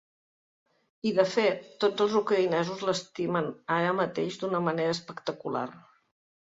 I, de fet, tots els ucraïnesos l’estimen, ara mateix d’una manera espectacular.